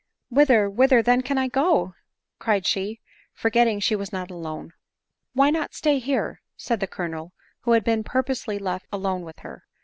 " Whither, whither then can I go?" cried she, forget ting she was not alone. " Why not stay here ?" said the Colonel, who had been purposely left alone with her.